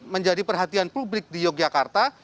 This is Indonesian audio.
menjadi perhatian publik di yogyakarta